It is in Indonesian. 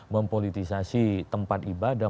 mempolitisasi tempat ibadah